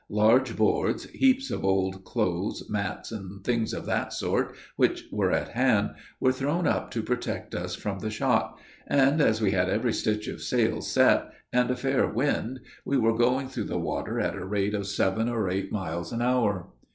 Large boards, heaps of old clothes, mats, and things of that sort, which were at hand, were thrown up to protect us from the shot; and, as we had every stitch of sail set, and a fair wind, we were going through the water at the rate of seven or eight miles an hour.